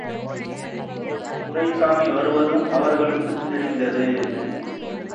துரைசாமி வருவதும் அவர்களுக்குத் தெரிந்தது.